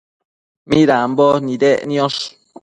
midambo nidec niosh ?